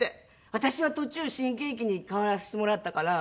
私は途中新喜劇に変わらせてもらったから。